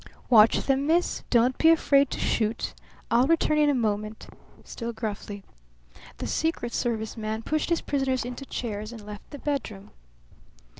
"Watch them, miss. Don't be afraid to shoot. I'll return in a moment" still gruffly. The secret service man pushed his prisoners into chairs and left the bedroom.